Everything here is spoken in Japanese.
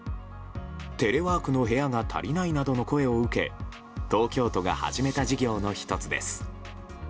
テレワークの部屋が足りないなどの声を受け東京都が始めた事業の１つです。